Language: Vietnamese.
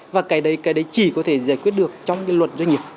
và cái đấy chỉ có thể giải quyết được trong luật doanh nghiệp